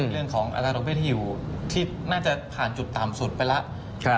เรื่องของอัตราโรคเวทีอยู่ที่น่าจะผ่านจุดต่ำสุดไปแล้ว